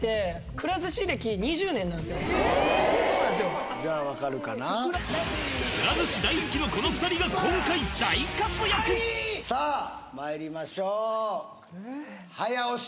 くら寿司大好きのこの２人が今回さあまいりましょう早押し